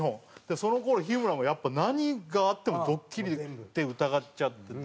その頃日村もやっぱ何があってもドッキリって疑っちゃってて。